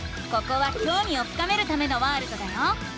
ここはきょうみを深めるためのワールドだよ。